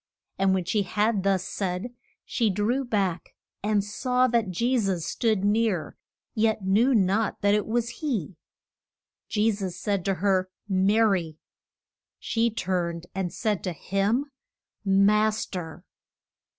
And when she had thus said, she drew back and saw that Je sus stood near, yet knew not that it was he. Je sus said to her, Ma ry! She turned and said to him, Mas ter!